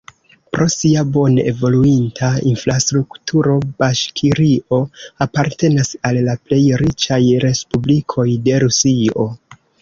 Pro sia bone evoluinta infrastrukturo Baŝkirio apartenas al la plej riĉaj respublikoj de Rusio.